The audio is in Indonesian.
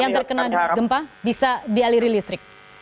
yang terkena gempa bisa dialiri listrik